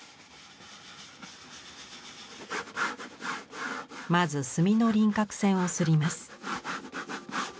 まず墨の輪郭線を摺ります。